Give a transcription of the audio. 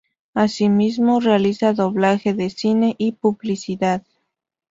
Asimismo, realiza doblaje de cine y publicidad.